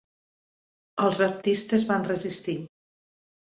Els baptistes van resistir.